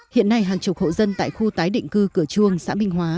hiện nay hàng chục hộ dân tại khu tái định cư cửa chuông xã minh hóa